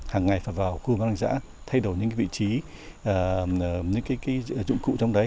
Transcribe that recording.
hằng ngày phải vào khu môi trường giảm thay đổi những cái vị trí những cái dụng cụ trong đấy